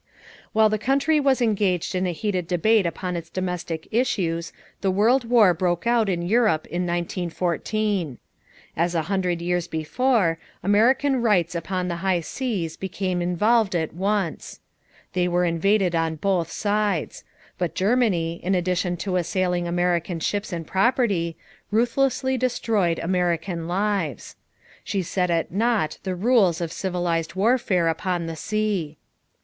While the country was engaged in a heated debate upon its domestic issues, the World War broke out in Europe in 1914. As a hundred years before, American rights upon the high seas became involved at once. They were invaded on both sides; but Germany, in addition to assailing American ships and property, ruthlessly destroyed American lives. She set at naught the rules of civilized warfare upon the sea.